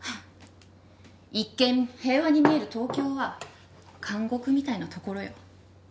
一見平和に見える東京は監獄みたいなところよ。